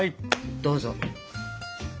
どうぞ。